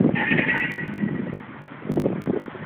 د بانکي حسابونو معلومات محرم وو.